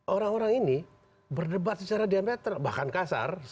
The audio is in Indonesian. orang orang ini berdebat secara diameter bahkan kasar